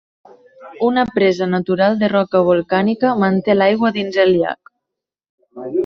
Una presa natural de roca volcànica manté l'aigua dins el llac.